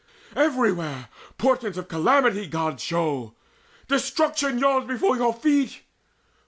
Everywhere portents of calamity Gods show: destruction yawns before your feet.